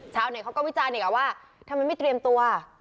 เขาก็วิจารณ์อีกว่าทำไมไม่เตรียมตัว